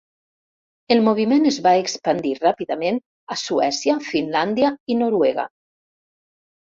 El moviment es va expandir ràpidament a Suècia, Finlàndia, i Noruega.